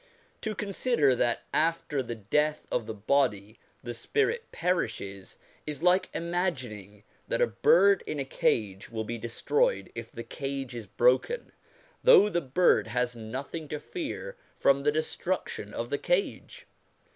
To consider that after the death of the body the spirit perishes, is like imagining that a bird in a cage will be destroyed if the cage is broken, though the bird has nothing to fear from the destruction of the cage.